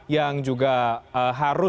yang diperlukan untuk mengatur itu